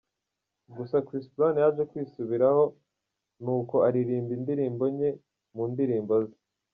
Gusa Chris Brown yaje kwisubiraho ni uko aririmba indirimbo nke mu ndirimbo ze.